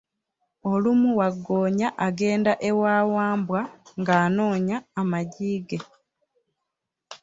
Olumu Waggoonya agenda ewa Wambwa nga anoonya amaggi ge.